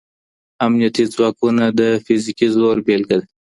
امنيتي ځواکونه د فزيکي زور بېلګه ده.